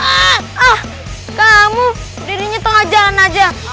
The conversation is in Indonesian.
ah kamu dirinya tengah jalan aja